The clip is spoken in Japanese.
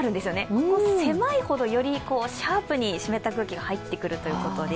ここ、狭いほど、よりシャープに湿った風が入ってくるということで。